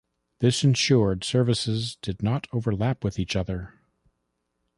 This ensured services did not overlap with each other.